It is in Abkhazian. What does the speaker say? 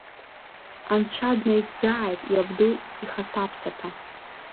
Анцәа днаигӡааит, иабду ихаҭаԥсаҭа.